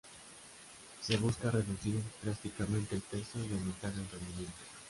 Se busca reducir drásticamente el peso y aumentar el rendimiento.